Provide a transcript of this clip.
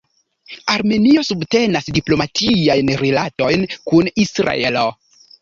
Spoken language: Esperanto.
Armenio subtenas diplomatiajn rilatojn kun Israelo.